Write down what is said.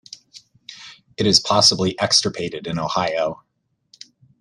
It is possibly extirpated in Ohio.